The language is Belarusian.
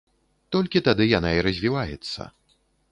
Толькі тады яна і развіваецца.